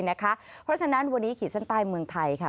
เพราะฉะนั้นวันนี้ขีดเส้นใต้เมืองไทยค่ะ